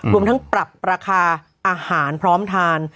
รวมทั้งปรับราคาอาหารพร้อมทาน